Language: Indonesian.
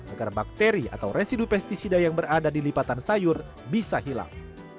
agar bakteri atau residu pesticida yang berada di lipatan sayur bisa hilang